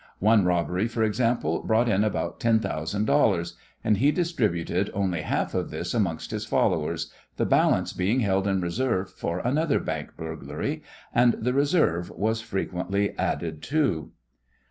One robbery, for example, brought in about ten thousand dollars, and he distributed only half of this amongst his followers, the balance being held in reserve for another bank burglary, and the reserve was frequently added to.